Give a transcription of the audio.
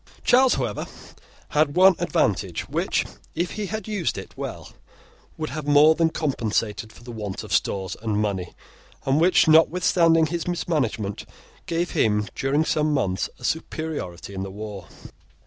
Charles, however, had one advantage, which, if he had used it well, would have more than compensated for the want of stores and money, and which, notwithstanding his mismanagement, gave him, during some months, a superiority in the war.